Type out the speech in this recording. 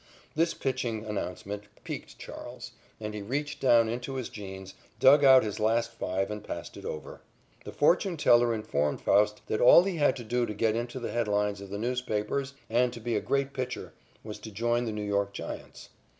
This pitching announcement piqued Charles, and he reached down into his jeans, dug out his last five, and passed it over. The fortune teller informed Faust that all he had to do to get into the headlines of the newspapers and to be a great pitcher was to join the New York Giants.